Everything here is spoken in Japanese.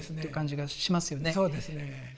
そうですね。